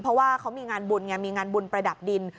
เพราะว่าเขามีงานบุญไงมีงานบุญประดับดิน